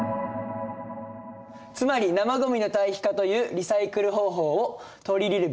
「つまり生ごみの堆肥化というリサイクル方法をとりいれるべきである。